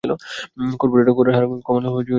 Corporate করের হার কমানো হলে বিনিয়োগ বাড়বে।